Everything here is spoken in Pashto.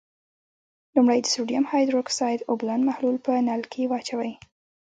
لومړی د سوډیم هایدرو اکسایډ اوبلن محلول په نل کې واچوئ.